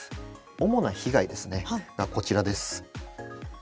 主な被害ですねこちらです。